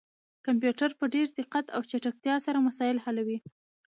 کمپيوټر په ډير دقت او چټکتيا سره مسايل حلوي